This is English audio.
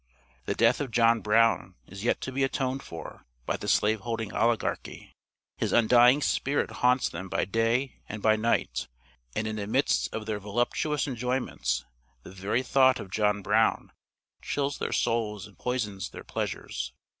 The death of John Brown is yet to be atoned for, by the slave holding oligarchy. His undying spirit haunts them by day and by night, and in the midst of their voluptuous enjoyments, the very thought of John Brown chills their souls and poisons their pleasures.